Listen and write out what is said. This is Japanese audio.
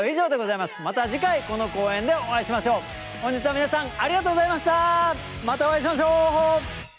またお会いしましょう！さあ？